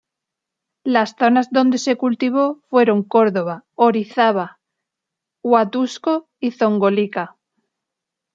Las zonas donde se cultivó fueron Córdoba, Orizaba, Huatusco y Zongolica.